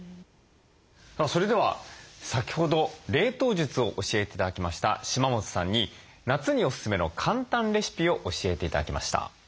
それでは先ほど冷凍術を教えて頂きました島本さんに夏におすすめの簡単レシピを教えて頂きました。